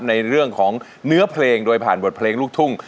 ในเรื่องของเนื้อเพลงโดยผ่านบทเพลงลูกทุ่ง